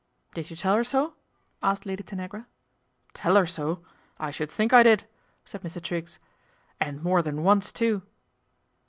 " Did you tell her so ?" asked Lady Tanagra. " Tell her so, I should think I did !" said Mr. Triggs, " and more than once too."